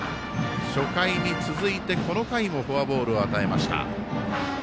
初回に続いて、この回もフォアボールを与えました。